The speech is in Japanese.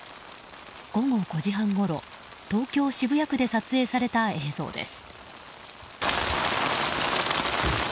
午後５時半ごろ、東京・渋谷区で撮影された映像です。